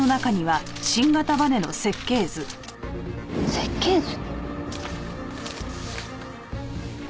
設計図？